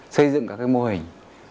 xây dựng các mô hình